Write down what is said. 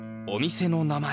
店の名前